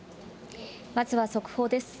まずは速報です。